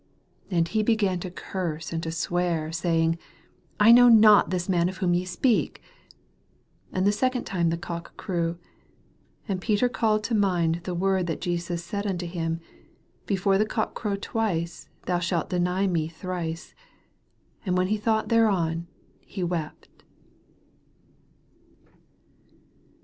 71 And he began to curse and to swear, saying, I know not this man of whom ye speak. 72 And the second time the cock crew. And Peter called to mind the word that Jesus said unto him, Before the cock crow twice, thou shalt deny me thrice. And when he thought thereon, he wept.